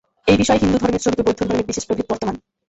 এই বিষয়ে হিন্দুধর্মের সহিত বৌদ্ধধর্মের বিশেষ প্রভেদ বর্তমান।